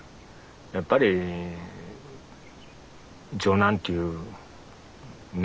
やっぱり長男っていうね